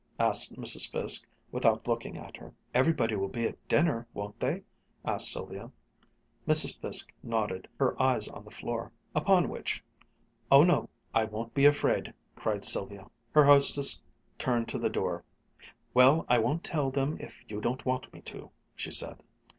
asked Mrs. Fiske, without looking at her. "Everybody will be at dinner, won't they?" asked Sylvia. Mrs. Fiske nodded, her eyes on the floor. Upon which, "Oh no, I won't be afraid!" cried Sylvia. Her hostess turned to the door. "Well, I won't tell them if you don't want me to," she said.